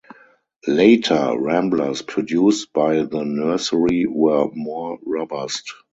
Later ramblers produced by the nursery were more robust.